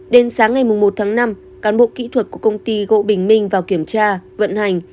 đến sáng ngày một tháng năm cán bộ kỹ thuật của công ty gỗ bình minh vào kiểm tra vận hành